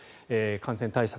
感染対策